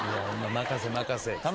任せ任せ。